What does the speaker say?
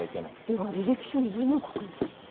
では履歴書に何を書くんですか？